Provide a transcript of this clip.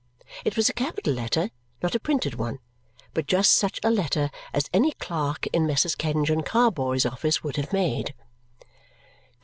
It was a capital letter, not a printed one, but just such a letter as any clerk in Messrs. Kenge and Carboy's office would have made.